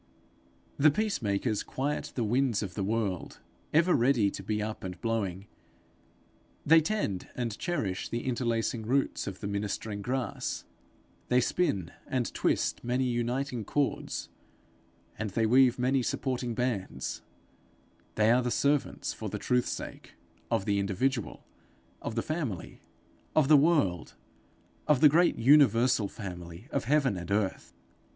The peace makers quiet the winds of the world ever ready to be up and blowing; they tend and cherish the interlacing roots of the ministering grass; they spin and twist many uniting cords, and they weave many supporting bands; they are the servants, for the truth's sake, of the individual, of the family, of the world, of the great universal family of heaven and earth.